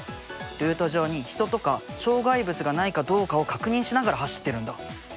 ルート上に人とか障害物がないかどうかを確認しながら走ってるんだ。